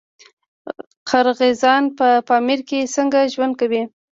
قرغیزان په پامیر کې څنګه ژوند کوي؟